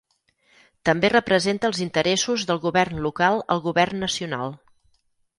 També representa els interessos del govern local al govern nacional.